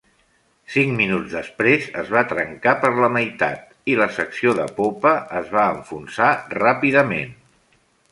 Cinc minuts després es va trencar per la meitat i la secció de popa es va enfonsar ràpidament.